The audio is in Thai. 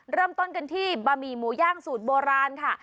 เริ่มต้นกันที่บะหมี่หมูย่างสูตรโบราณค่ะ